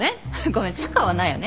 ごめんチャカはないよね。